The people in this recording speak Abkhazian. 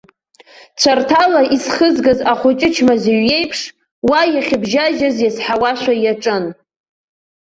Цәарҭала изхызгаз ахәыҷы чмазаҩ иеиԥш, уа иахьыбжьажьыз иазҳауашәа иаҿын.